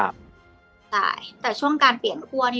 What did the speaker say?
ใช่แต่ช่วงการเปลี่ยนคั่วนี่